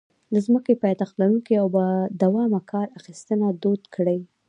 د ځمکې پایښت لرونکې او بادوامه کار اخیستنه دود کړي.